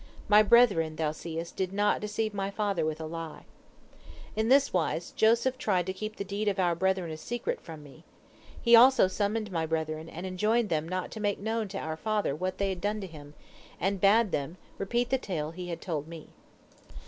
My brethren, thou seest, did not deceive my father with a lie.' In this wise Joseph tried to keep the deed of our brethren a secret from me. He also summoned my brethren, and enjoined them not to make known to our father what they had done to him, and bade them repeat the tale he had told me.